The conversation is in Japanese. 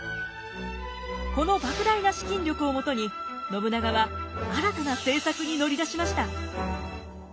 この莫大な資金力をもとに信長は新たな政策に乗り出しました。